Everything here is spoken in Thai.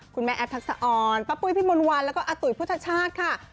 แม่แอฟทักษะอ่อนป้าปุ้ยพี่มนต์วันแล้วก็อาตุ๋ยพุทธชาติค่ะ